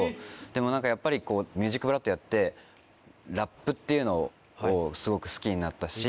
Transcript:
でもやっぱり『ＭＵＳＩＣＢＬＯＯＤ』やってラップっていうのをすごく好きになったし。